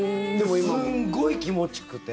すんごい気持ちくて。